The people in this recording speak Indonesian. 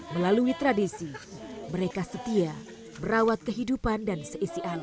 melalui tradisi mereka setia merawat kehidupan dan seisi alam